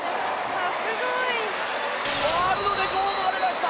ワールドレコードが出ました！